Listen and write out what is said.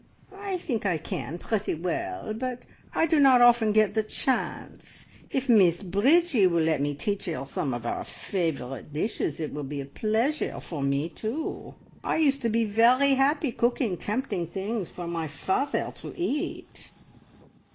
"I think I can pretty well, but I do not often get the chance. If Miss Breegie will let me teach her some of our favourite dishes, it will be a pleasure to me too! I used to be very happy cooking tempting things for my father to eat!"